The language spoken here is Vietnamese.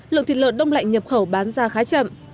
lượng thịt lợn đông lạnh nhập khẩu bán ra khá chậm